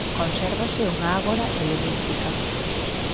Consérvase unha ágora helenística.